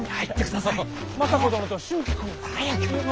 行ってください！